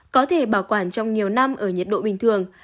có thể bảo quản trong nhiều năm ở nhiệt độ bình thường